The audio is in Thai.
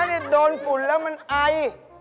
นี่โดนฝุ่นแล้วมันไอ